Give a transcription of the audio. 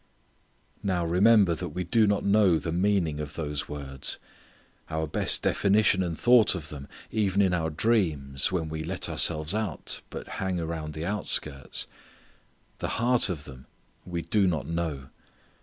Now remember that we do not know the meaning of those words. Our best definition and thought of them, even in our dreams, when we let ourselves out, but hang around the outskirts. The heart of them we do not know.